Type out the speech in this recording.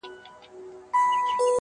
رایې کړل څلور ښکلي زامن لکه لعلونه -